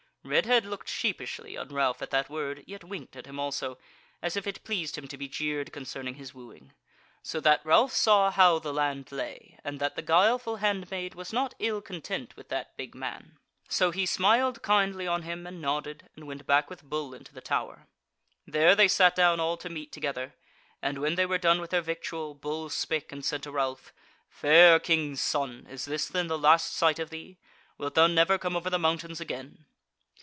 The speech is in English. Redhead looked sheepishly on Ralph at that word, yet winked at him also, as if it pleased him to be jeered concerning his wooing; so that Ralph saw how the land lay, and that the guileful handmaid was not ill content with that big man. So he smiled kindly on him and nodded, and went back with Bull into the Tower. There they sat down all to meat together; and when they were done with their victual, Bull spake, and said to Ralph: "Fair King's Son, is this then the last sight of thee? wilt thou never come over the mountains again?"